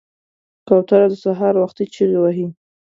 کوتره د سهار وختي چغې وهي.